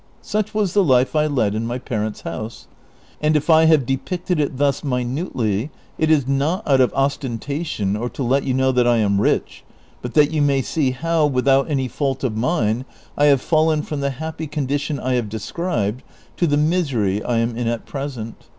Such was the life I led in my parents' house, and if I have depicted it thus minutely, it is not out of ostentation, or to let you know tliat I am rich, but that you may see how, without any fault of mine, I have fallen from the happy condition I have de scribed, to the misery I am in at present.